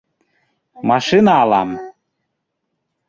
Машина алам.